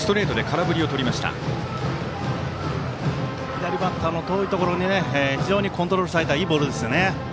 左バッターの遠いところに非常にコントロールされたいいボールですよね。